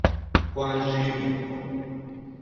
關書名號